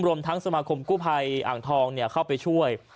รวมทั้งสมาคมกู้ภัยอ่างทองเข้าไปช่วย